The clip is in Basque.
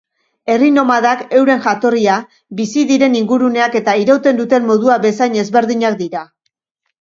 Herri nomadak, euren jatorria, bizi diren inguruneak eta irauten duten modua bezain ezberdinak dira.